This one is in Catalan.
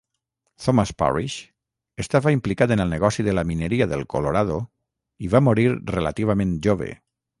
Thomas Parrish estava implicat en el negoci de la mineria del Colorado i va morir relativament jove.